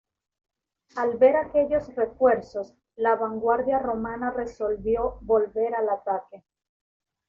Al ver aquellos refuerzos, la vanguardia romana resolvió volver al ataque.